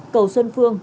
cầu xuân phương